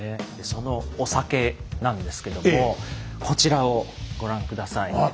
そのお酒なんですけどもこちらをご覧下さい。